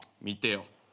見てよ。